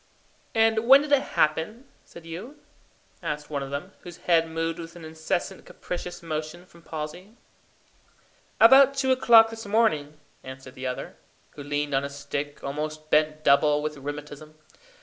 "And when did it happen, said you?" asked one of them, whose head moved with an incessant capricious motion from palsy. "About two o'clock this morning," answered the other, who leaned on a stick, almost bent double with rheumatism.